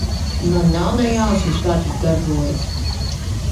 Man nav ne jausmas, kā tas darbojas.